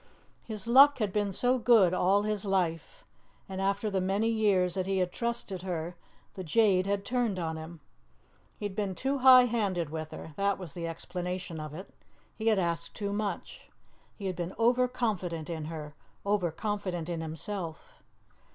His luck had been so good all his life, and after the many years that he had trusted her, the jade had turned on him! He had been too high handed with her, that was the explanation of it! He had asked too much. He had been over confident in her, over confident in himself.